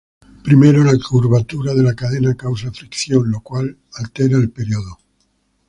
Primero, la curvatura de la cadena causa fricción, lo cual altera el periodo.